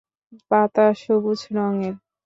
পাতা সবুজ রংয়ের।